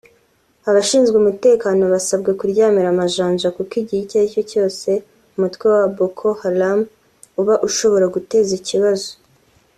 Abashinzwe umutekano basabwe kuryamira amajanja kuko igihe icyo aricyo cyose umutwe wa Boko Haram uba ushobora guteza ikibazo